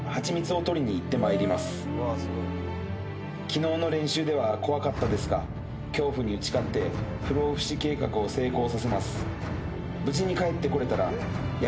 「昨日の練習では怖かったですが恐怖に打ち勝って不老不死計画を成功させます」